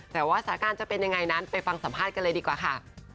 แต่ว่าสถานการณ์จะเป็นยังไงนั้นไปฟังสัมภาษณ์กันเลยดีกว่าค่ะ